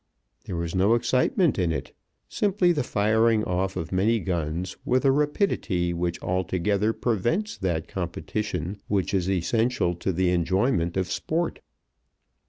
There was no excitement in it, simply the firing off of many guns with a rapidity which altogether prevents that competition which is essential to the enjoyment of sport.